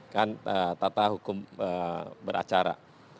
kan tata hukum beracara